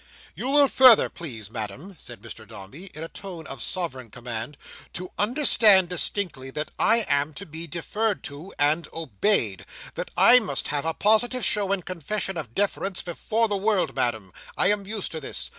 "You will further please, Madam," said Mr Dombey, in a tone of sovereign command, "to understand distinctly, that I am to be deferred to and obeyed. That I must have a positive show and confession of deference before the world, Madam. I am used to this.